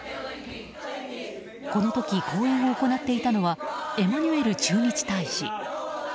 この時、講演を行っていたのはエマニュエル駐日大使。